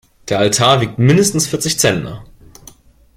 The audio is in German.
Der Altar wiegt mindestens vierzig Zentner.